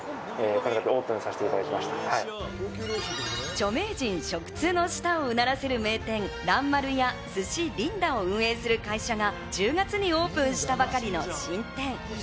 著名人、食通の舌をうならせる名店、らんまるや鮨りんだを運営する会社が１０月にオープンしたばかりの新店。